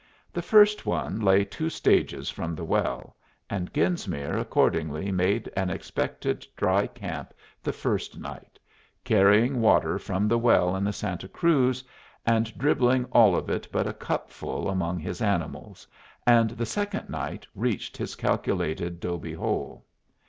The first one lay two stages from the well, and Genesmere accordingly made an expected dry camp the first night, carrying water from the well in the Santa Cruz, and dribbling all of it but a cupful among his animals, and the second night reached his calculated 'dobe hole.